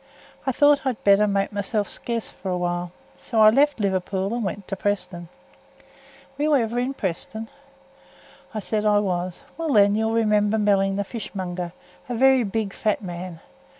I thowt I'd better make mysel' scarce for a while, so I left Liverpool and went to Preston. Were you ever in Preston?" I said I was. "Well then, you'll remember Melling, the fish monger, a varra big, fat man.